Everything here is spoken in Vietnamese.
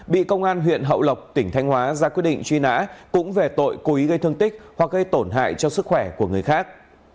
bị công an huyện hậu lộc tỉnh thanh hóa ra quyết định truy nã cũng về tội cố ý gây thương tích hoặc gây tổn hại cho sức khỏe của người khác